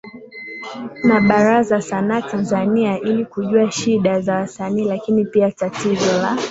na Baraza sanaa tanzania ili kujua shida za wasanii lakini pia tatizo la